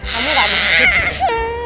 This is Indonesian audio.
kamu gak mau jalan